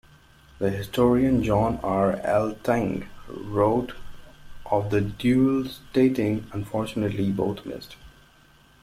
The historian John R. Elting wrote of the duel, stating, Unfortunately, both missed.